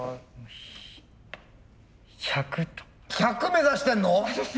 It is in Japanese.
１００目指してんの？